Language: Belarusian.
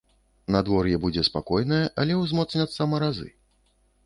Надвор'е будзе спакойнае, але ўзмоцняцца маразы.